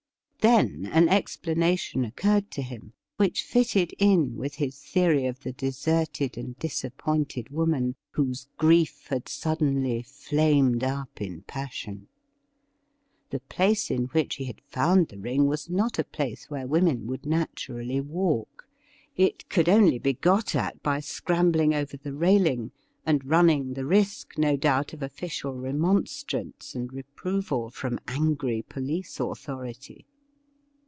Then an explanation occurred to him which fitted in with his theory of the deserted and disappointed woman, whose grief had suddenly flamed up in passion. The place in which he had found the ring was not a place where women would naturally walk. It could only be got at by scrambling over the railing and running the risk, no doubt, of ofiicial remonstrance and reproval from angry police authority.